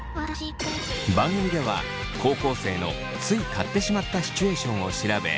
番組では高校生のつい買ってしまったシチュエーションを調べ